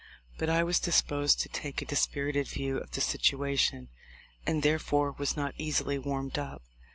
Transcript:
But I was disposed to take a dispirited view of the situation, and there fore was not easily warmed up.